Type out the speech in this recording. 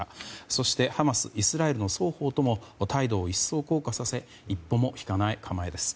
そしてハマス、イスラエルの双方とも態度を一層硬化させ一歩も引かない構えです。